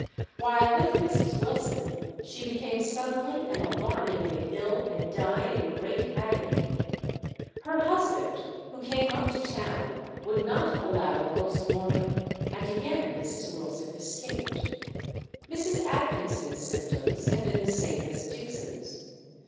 While with Mrs. Wilson she became suddenly and alarmingly ill, and died in great agony. Her husband, who came up to town, would not allow a post mortem, and again Mrs. Wilson escaped. Mrs. Atkinson's symptoms had been the same as Dixon's.